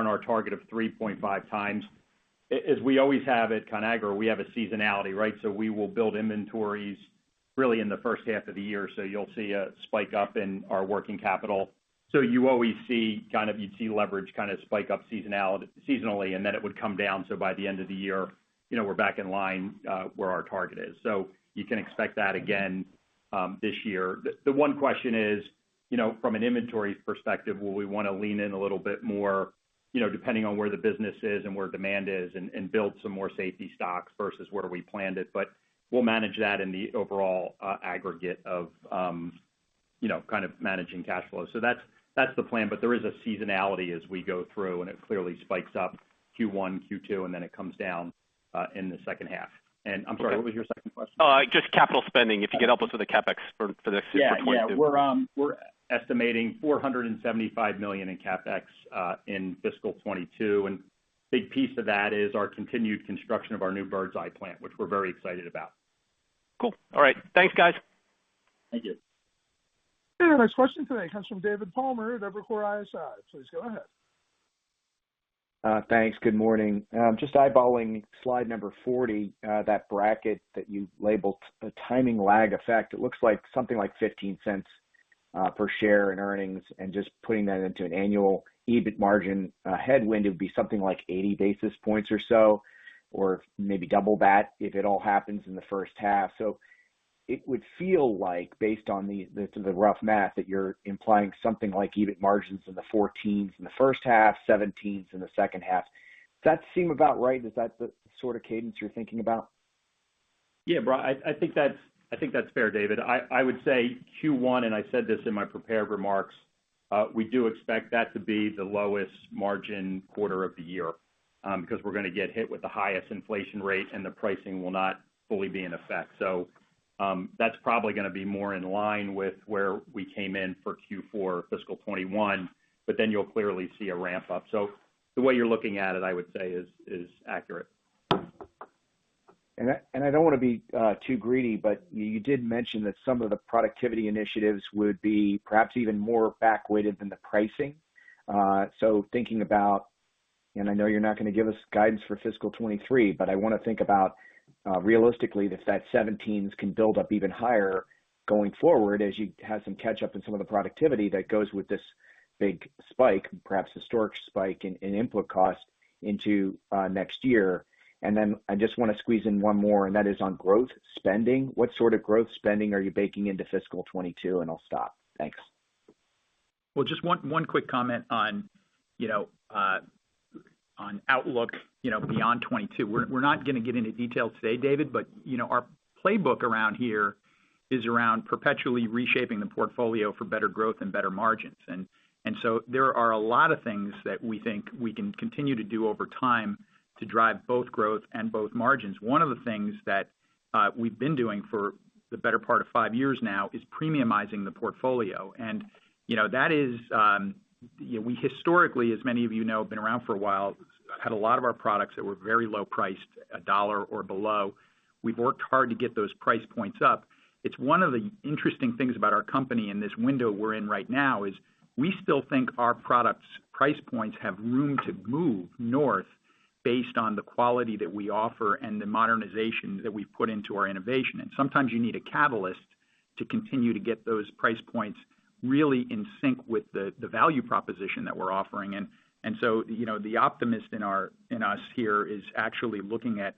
our target of 3.5x. As we always have at Conagra, we have a seasonality, right? We will build inventories really in the first half of the year. You'll see a spike up in our working capital. You always see leverage spike up seasonally. It would come down. By the end of the year, we're back in line where our target is. You can expect that again this year. The one question is, from an inventory perspective, will we want to lean in a little bit more, depending on where the business is and where demand is, and build some more safety stocks versus where we planned it? We'll manage that in the overall aggregate of managing cash flow. That's the plan, but there is a seasonality as we go through, and it clearly spikes up Q1, Q2, and then it comes down in the second half. I'm sorry, what was your second question? Just capital spending. If you could help us with the CapEx for the fiscal 2022? Yeah. We're estimating $475 million in CapEx in fiscal 2022. Big piece of that is our continued construction of our new Birds Eye plant, which we're very excited about. Cool. All right. Thanks, guys. Thank you. Our next question today comes from David Palmer at Evercore ISI. Please go ahead. Thanks, good morning. Just eyeballing slide number 40, that bracket that you labeled the timing lag effect, it looks like something like $0.15 per share in earnings. Just putting that into an annual EBIT margin headwind, it would be something like 80 basis points or so, or maybe double that if it all happens in the first half. It would feel like, based on the rough math, that you're implying something like EBIT margins in the 14s in the first half, 17s in the second half. Does that seem about right? Is that the sort of cadence you're thinking about? Yeah. I think that's fair, David. I would say Q1, and I said this in my prepared remarks, we do expect that to be the lowest margin quarter of the year, because we're going to get hit with the highest inflation rate and the pricing will not fully be in effect. That's probably going to be more in line with where we came in for Q4 fiscal 2021, but then you'll clearly see a ramp-up. The way you're looking at it, I would say is accurate. I don't want to be too greedy, you did mention that some of the productivity initiatives would be perhaps even more back weighted than the pricing. Thinking about, I know you're not going to give us guidance for fiscal 2023, I want to think about, realistically, if that 17% can build up even higher going forward as you have some catch-up in some of the productivity that goes with this big spike, perhaps historic spike, in input cost into next year. I just want to squeeze in one more, and that is on growth spending. What sort of growth spending are you baking into fiscal 2022? I'll stop. Thanks. Well, just one quick comment on outlook beyond 2022. We're not going to get into details today, David. Our playbook around here is around perpetually reshaping the portfolio for better growth and better margins. There are a lot of things that we think we can continue to do over time to drive both growth and both margins. One of the things that we've been doing for the better part of five years now is premiumizing the portfolio. We historically, as many of you know, have been around for a while, had a lot of our products that were very low priced, $1 or below. We've worked hard to get those price points up. It's one of the interesting things about our company and this window we're in right now is we still think our products' price points have room to move north based on the quality that we offer and the modernization that we've put into our innovation. Sometimes you need a catalyst to continue to get those price points really in sync with the value proposition that we're offering. The optimist in us here is actually looking at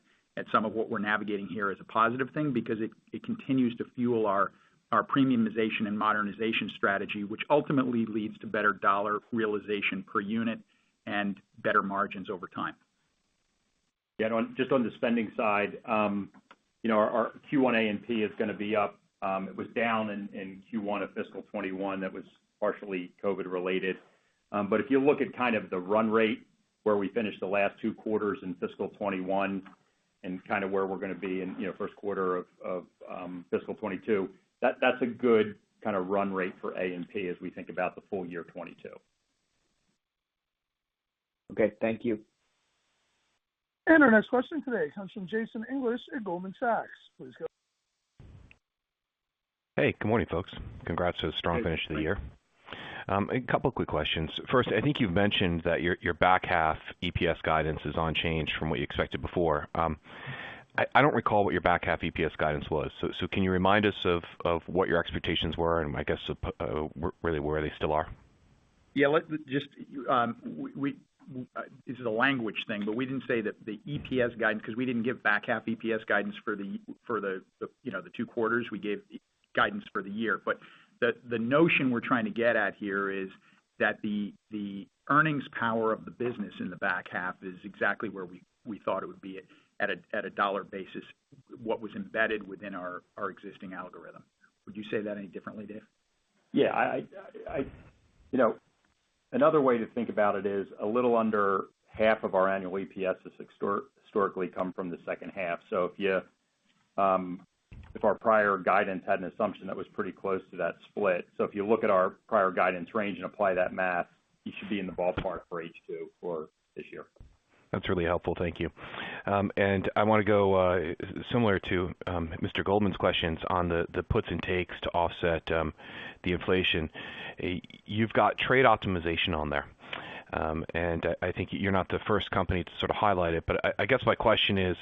some of what we're navigating here as a positive thing because it continues to fuel our premiumization and modernization strategy, which ultimately leads to better dollar realization per unit and better margins over time. Just on the spending side, our Q1 A&P is going to be up. It was down in Q1 of fiscal 2021. That was partially COVID-19 related. If you look at kind of the run rate where we finished the last two quarters in fiscal 2021 and kind of where we're going to be in first quarter of fiscal 2022, that's a good kind of run rate for A&P as we think about the full-year 2022. Okay, thank you. Our next question today comes from Jason English at Goldman Sachs. Please go ahead. Hey, good morning, folks. Congrats to the strong finish of the year. Hey, Jason. A couple quick questions. First, I think you've mentioned that your back half EPS guidance is unchanged from what you expected before. I don't recall what your back half EPS guidance was. Can you remind us of what your expectations were and I guess, where they still are? Yeah, this is a language thing, we didn't say that the EPS guidance, because we didn't give back half EPS guidance for the two quarters. We gave guidance for the year. The notion we're trying to get at here is that the earnings power of the business in the back half is exactly where we thought it would be at a dollar basis, what was embedded within our existing algorithm. Would you say that any differently, Dave? Yeah. Another way to think about it is a little under half of our annual EPS has historically come from the second half. If our prior guidance had an assumption that was pretty close to that split. If you look at our prior guidance range and apply that math, you should be in the ballpark for H2 for this year. That's really helpful, thank you. I want to go similar to Mr. Goldman's questions on the puts and takes to offset the inflation. You've got trade optimization on there. I think you're not the first company to sort of highlight it, but I guess my question is,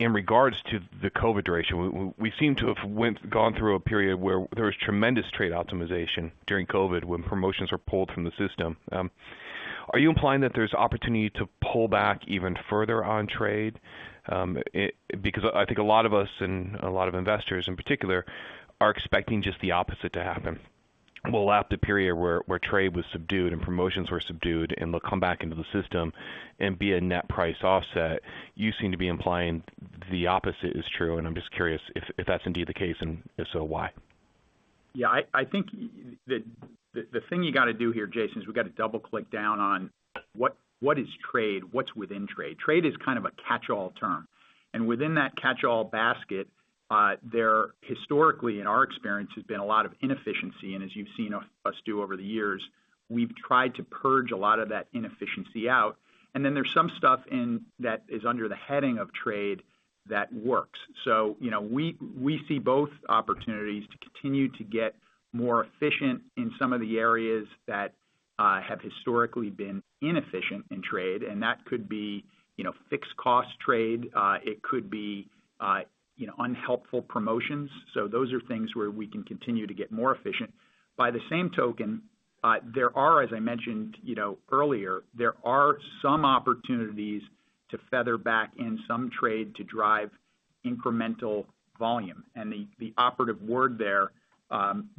in regards to the COVID duration, we seem to have gone through a period where there was tremendous trade optimization during COVID when promotions were pulled from the system. Are you implying that there's opportunity to pull back even further on trade? I think a lot of us and a lot of investors in particular, are expecting just the opposite to happen. We'll lap the period where trade was subdued and promotions were subdued and they'll come back into the system and be a net price offset. You seem to be implying the opposite is true, and I'm just curious if that's indeed the case, and if so, why? Yeah, I think the thing you got to do here, Jason, is we've got to double-click down on what is trade, what's within trade. Trade is kind of a catch-all term. Within that catch-all basket, there historically, in our experience, has been a lot of inefficiency, and as you've seen us do over the years, we've tried to purge a lot of that inefficiency out. Then there's some stuff that is under the heading of trade that works. We see both opportunities to continue to get more efficient in some of the areas that have historically been inefficient in trade, and that could be fixed cost trade, it could be unhelpful promotions. Those are things where we can continue to get more efficient. By the same token, as I mentioned earlier, there are some opportunities to feather back in some trade to drive incremental volume, and the operative word there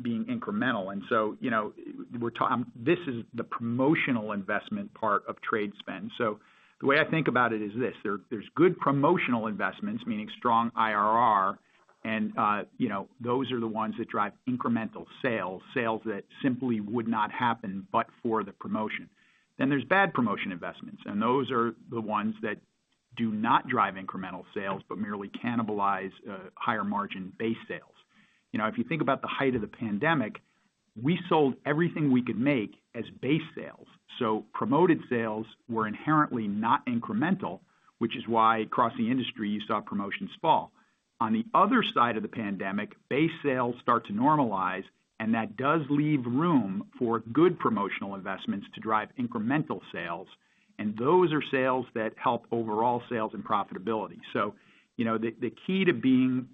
being incremental. This is the promotional investment part of trade spend. The way I think about it is this. There's good promotional investments, meaning strong IRR, and those are the ones that drive incremental sales that simply would not happen but for the promotion. There's bad promotion investments, and those are the ones that do not drive incremental sales, but merely cannibalize higher margin base sales. If you think about the height of the pandemic, we sold everything we could make as base sales. Promoted sales were inherently not incremental, which is why across the industry, you saw promotions fall. On the other side of the pandemic, base sales start to normalize, and that does leave room for good promotional investments to drive incremental sales, and those are sales that help overall sales and profitability. The key to being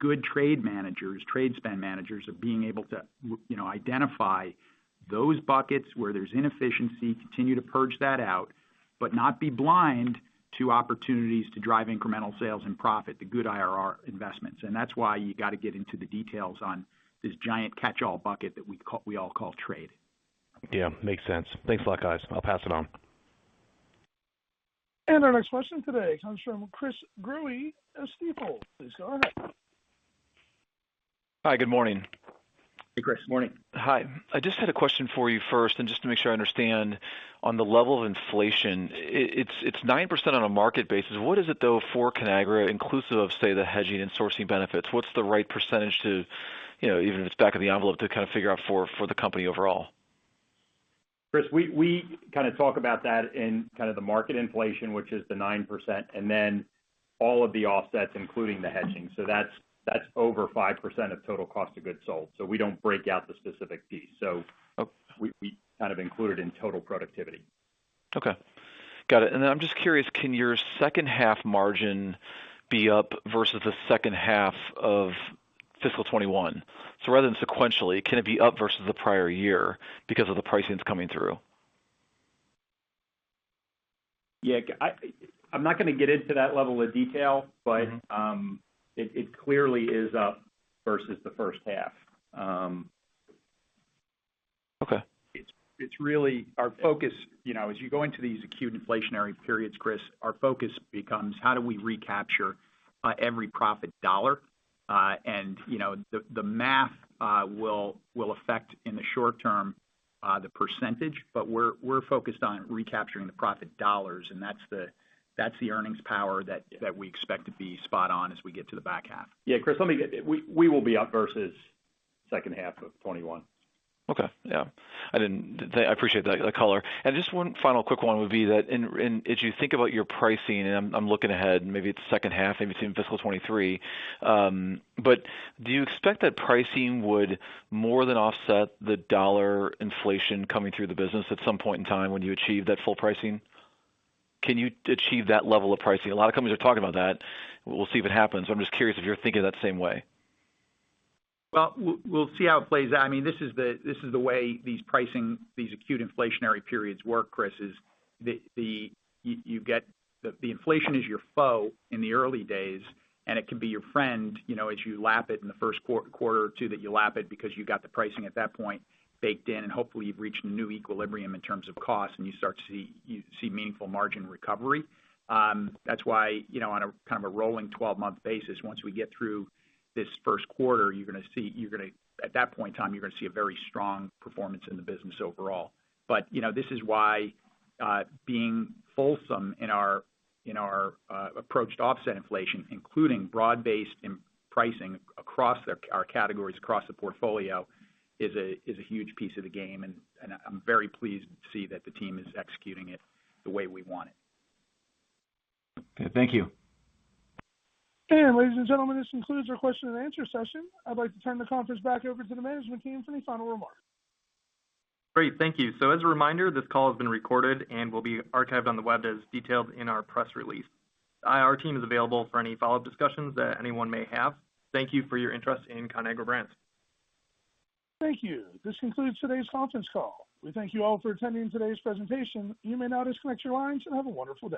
good trade managers, trade spend managers, are being able to identify those buckets where there's inefficiency, continue to purge that out, but not be blind to opportunities to drive incremental sales and profit, the good IRR investments. That's why you got to get into the details on this giant catchall bucket that we all call trade. Yeah, makes sense. Thanks a lot, guys. I'll pass it on. Our next question today comes from Chris Growe of Stifel. Please go ahead. Hi, good morning. Hey, Chris. Morning. Hi. I just had a question for you first, and just to make sure I understand on the level of inflation, it's 9% on a market basis. What is it, though, for Conagra, inclusive of, say, the hedging and sourcing benefits? What's the right percentage to, even if it's back of the envelope, to kind of figure out for the company overall? Chris, we talk about that in the market inflation, which is the 9%, and then all of the offsets, including the hedging. That's over 5% of total cost of goods sold. We don't break out the specific piece. We kind of include it in total productivity. Okay. Got it. I'm just curious, can your second half margin be up versus the second half of fiscal 2021? Rather than sequentially, can it be up versus the prior year because of the pricing that's coming through? Yeah. I'm not going to get into that level of detail, but it clearly is up versus the first half. As you go into these acute inflationary periods, Chris, our focus becomes how do we recapture every profit dollar. The math will affect, in the short term, the percentage, but we're focused on recapturing the profit dollars, and that's the earnings power that we expect to be spot on as we get to the back half. Yeah, Chris, we will be up versus second half of 2021. Okay. Yeah, I appreciate that color. Just one final quick one would be that as you think about your pricing, I'm looking ahead, and maybe it's second half, maybe it's even fiscal 2023. Do you expect that pricing would more than offset the dollar inflation coming through the business at some point in time when you achieve that full pricing? Can you achieve that level of pricing? A lot of companies are talking about that. We'll see if it happens. I'm just curious if you're thinking that same way. Well, we'll see how it plays out. This is the way these pricing, these acute inflationary periods work, Chris, is the inflation is your foe in the early days, and it can be your friend as you lap it in the first quarter or two that you lap it because you got the pricing at that point baked in, and hopefully you've reached a new equilibrium in terms of cost, and you start to see meaningful margin recovery. That's why on a kind of a rolling 12-month basis, once we get through this first quarter, at that point in time, you're going to see a very strong performance in the business overall. This is why being fulsome in our approach to offset inflation, including broad-based pricing across our categories, across the portfolio, is a huge piece of the game, and I'm very pleased to see that the team is executing it the way we want it. Okay, thank you. Ladies and gentlemen, this concludes our question-and-answer session. I'd like to turn the conference back over to the management team for any final remarks. Great, thank you. As a reminder, this call has been recorded and will be archived on the web as detailed in our press release. Our IR team is available for any follow-up discussions that anyone may have. Thank you for your interest in Conagra Brands. Thank you. This concludes today's conference call. We thank you all for attending today's presentation. You may now disconnect your lines, and have a wonderful day.